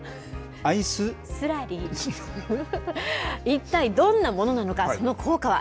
一体どんなものなのか、その効果は？